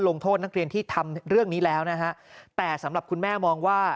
ลงโทษนักเรียนที่ทำเรื่องนี้แล้วนะฮะแต่สำหรับคุณแม่มองว่า